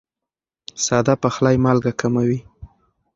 ساده پخلی مالګه کموي.